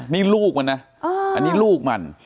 นี่ลูกมันนะอันนี้ลูกมัน